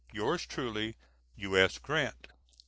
Yours truly, U.S. GRANT.